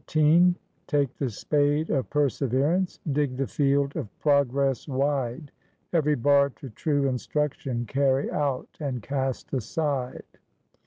11 Take the spade of perseverance, Dig the field of progress wide, Every bar to true instruction Carry out, and cast aside."